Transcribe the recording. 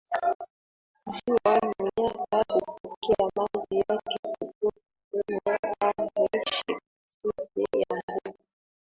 Ziwa Manyara hupokea maji yake kutoka kwenye ardhi chepechepe ya Bubu